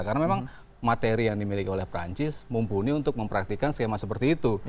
karena memang materi yang dimiliki oleh perancis mumpuni untuk mempraktikan skema seperti itu